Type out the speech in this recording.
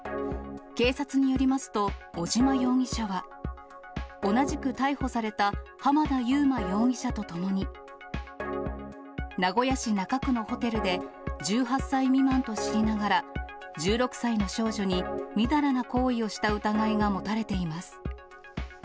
警察によりますと、尾島容疑者は、同じく逮捕された、浜田祐摩容疑者と共に、名古屋市中区のホテルで、１８歳未満と知りながら、１６歳の少女にみだらな行為をした疑いが持たれています。